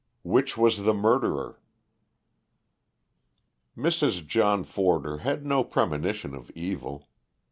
WHICH WAS THE MURDERER? Mrs. John Forder had no premonition of evil.